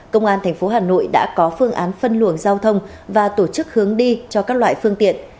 công an tp hà nội đã có phương án phân luồng giao thông và tổ chức hướng đi cho các loại phương tiện